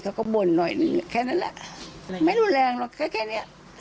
เขาก็บ่นหน่อยแค่นั้นแหละไม่ดูแลหรอกแค่นี้